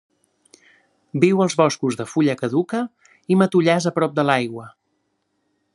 Viu als boscos de fulla caduca i matollars a prop de l'aigua.